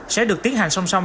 sẽ được tiến hành song song